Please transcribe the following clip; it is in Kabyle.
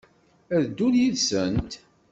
Ad d-ddun yid-sent?